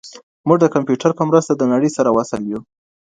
موږ د کمپیوټر په مرسته د نړۍ سره وصل یو.